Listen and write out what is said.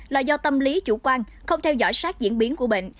là do tâm lý chủ quan không theo dõi sát diễn biến của bệnh